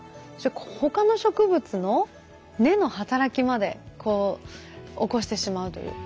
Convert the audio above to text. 他の植物の根の働きまでこう起こしてしまうという。